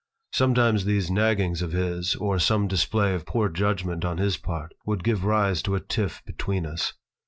Sometimes these naggings of his or some display of poor judgment on his part would give rise to a tiff between us.